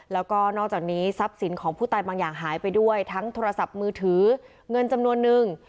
แล้วก็นอกจากนี้ทรัพย์สินของผู้ตายบางอย่างหายไปด้วยทั้งโทรศัพท์มือถือเงินจำนวนนึง